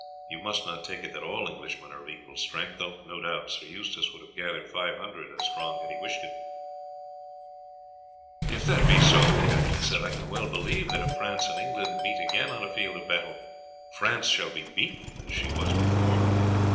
"You must not take it that all Englishmen are of equal strength, though no doubt Sir Eustace could have gathered five hundred as strong had he wished it." "If that be so," the captain said, "I can well believe that if France and England meet again on a field of battle France shall be beaten as she was before.